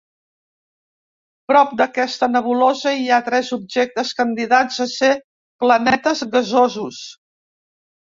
Prop d'aquesta nebulosa hi ha tres objectes candidats a ser planetes gasosos.